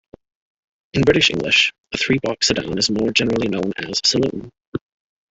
In British English, a three-box sedan is more generally known as a saloon.